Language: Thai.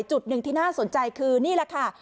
จุดหนึ่งที่น่าสนใจคือนี่แหละค่ะ